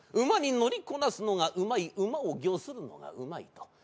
馬に乗りこなすのがうまい馬を御するのがうまいと。